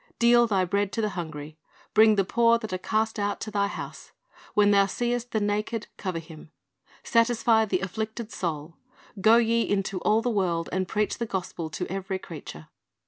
"Deal lh\ bread to the hungry," "bnng the poor tliat are cast out to thy house." "Wlien thou seest the naked, ... cover him." "Satisfy the afflicted soul." "Go ye into all the world, and preach the gospel to every creature."